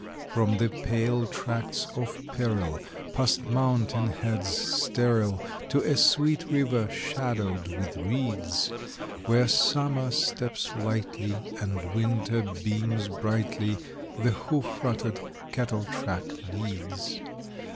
From the pale tracts of peril, past mountain heads sterile, To a sweet river shadowed with reeds, Where Summer steps lightly, and Winter beams brightly, The hoof rutted cattle track leads.